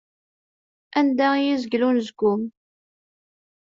Anda i yi-izgel unezgum.